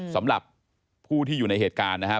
สำหรับผู้ที่อยู่ในเหตุการณ์นะครับ